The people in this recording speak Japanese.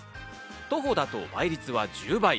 徒歩だと倍率は１０倍。